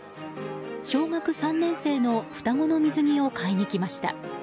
小学３年生の双子の水着を買いに来ました。